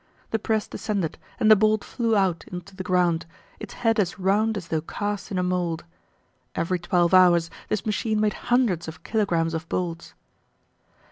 The press descended and the bolt flew out onto the ground, its head as round as though cast in a mold. Every twelve hours this machine made hundreds of kilograms of bolts!